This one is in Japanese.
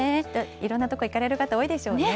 いろんな所に行かれる方、多いでしょうね。